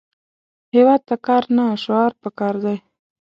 هیواد ته کار، نه شعار پکار دی